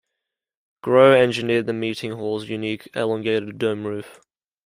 Grow engineered the meeting hall's unique elongated dome roof.